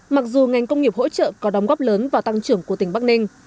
mặc dù ngành công nghiệp hỗ trợ có đóng góp lớn vào tăng trưởng của tỉnh bắc ninh